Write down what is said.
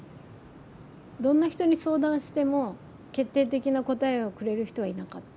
どんな人に相談しても決定的な答えをくれる人はいなかった。